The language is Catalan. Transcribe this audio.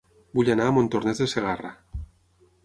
Vull anar a Montornès de Segarra